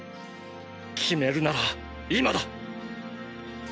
決めるなら今だ！